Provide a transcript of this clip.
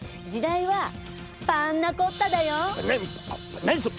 な何それ！？